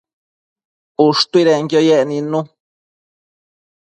ushtuidenquio yec nidnu